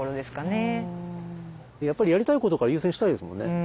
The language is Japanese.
やっぱりやりたいことから優先したいですもんね。